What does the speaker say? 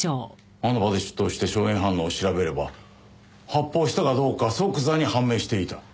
あの場で出頭して硝煙反応を調べれば発砲したかどうか即座に判明していた。